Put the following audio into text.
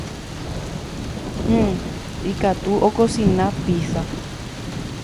Hmm. Ikatu akosina pizza.